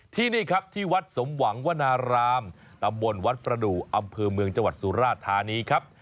ที่นี่ครับที่วัดสมหวังวนารามตำบลวัดประดูกอำเภอเมืองจังหวัดสุราธานีครับ